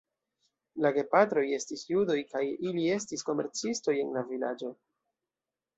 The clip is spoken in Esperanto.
La gepatroj estis judoj kaj ili estis komercistoj en la vilaĝo.